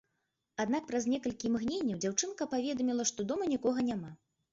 Аднак праз некалькі імгненняў дзяўчынка паведаміла, што дома нікога няма.